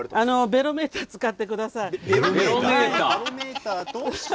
ベロメーター使ってください。